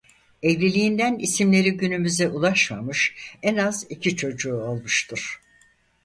Evliliğinden isimleri günümüze ulaşmamış en az iki çocuğu olmuştur.